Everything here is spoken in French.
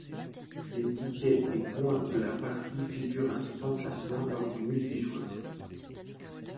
Les tickets et points de la partie figurent à cet emplacement lors du multijoueur.